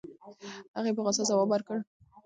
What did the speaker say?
هغې په غوسه ځواب ورکړ.